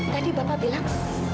tadi bapak bilang